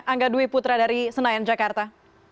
angga dwi putra dari senayan jakarta